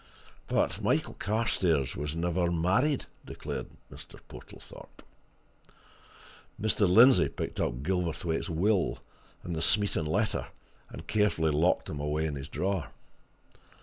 "But Michael Carstairs was never married!" declared Mr. Portlethorpe. Mr. Lindsey picked up Gilverthwaite's will and the Smeaton letter, and carefully locked them away in his drawer.